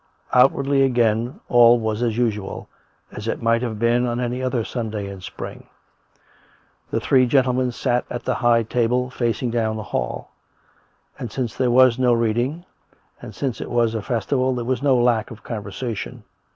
Outwardly, again, all was as usual — as it might have been on any other Sunday in spring. The three gentlemen sat at the high table, facing down the hall; and, since there was no reading, and since it was a festival, there was no lack of conversation.